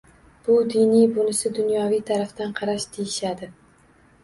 “Bu diniy, bunisi dunyoviy tarafdan qarash”, deyishadi.